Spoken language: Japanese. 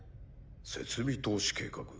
「設備投資計画」。